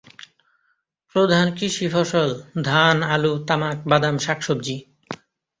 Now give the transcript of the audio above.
প্রধান কৃষি ফসল ধান, আলু, তামাক, বাদাম, শাকসবজি।